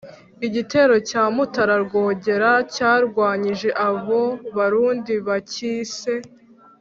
igitero cya mutara rwogera cyarwanyije abo barundi bacyise "